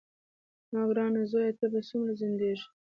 زما ګرانه زویه ته به څومره ځنډېږې.